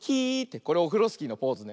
これオフロスキーのポーズね。